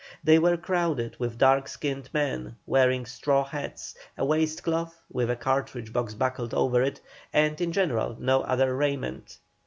They were crowded with dark skinned men wearing round straw hats, a waistcloth, with a cartridge box buckled over it, and, in general, no other raiment.